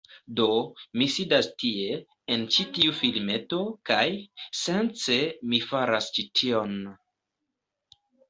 Do, mi sidas tie, en ĉi tiu filmeto, kaj, sence mi faras ĉi tion...